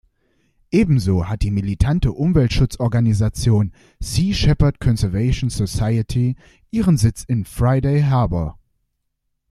Ebenso hat die militante Umweltschutzorganisation Sea Shepherd Conservation Society ihren Sitz in Friday Harbor.